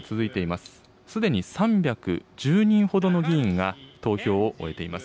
すでに３１０人ほどの議員が投票を終えています。